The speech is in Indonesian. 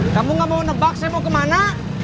kamu gak mau nebak saya mau kemana